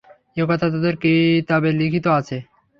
এ কথা তাদের কিতাবে লিখিত আছে।